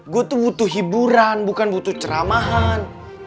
gue tuh butuh hiburan bukan butuh ceramahan